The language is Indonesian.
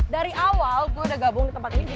dari awal gue udah gabung di tempat ini